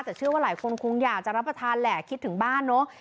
แต่เชื่อว่าหลายคนคงอยากจะรับประทานแหละคิดถึงบ้านเนอะ